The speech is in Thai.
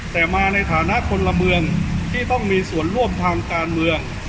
แต่มาในฐานะคนละเมืองที่ต้องมีส่วนร่วมทางการเมือง